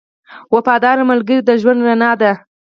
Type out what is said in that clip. • وفادار ملګری د ژوند رڼا ده.